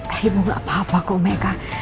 eh ibu gak apa apa kok mereka